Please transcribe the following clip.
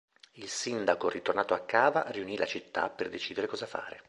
Il Sindaco ritornato a Cava, riunì la Città per decidere cosa fare.